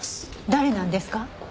誰なんですか？